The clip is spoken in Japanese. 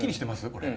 これ。